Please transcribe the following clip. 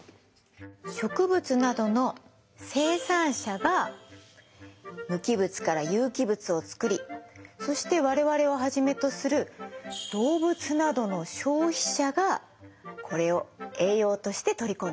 植物などの生産者が無機物から有機物を作りそして我々をはじめとする動物などの消費者がこれを栄養として取り込んでいます。